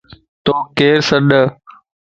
توڪ ڪير سَڏ؟